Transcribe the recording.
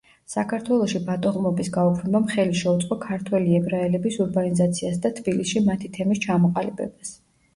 საქართველოში ბატონყმობის გაუქმებამ ხელი შეუწყო ქართველი ებრაელების ურბანიზაციას და თბილისში მათი თემის ჩამოყალიბებას.